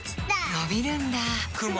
のびるんだ